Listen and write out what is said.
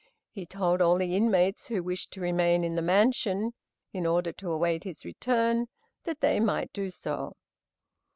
He told all the inmates who wished to remain in the mansion, in order to await his return, that they might do so.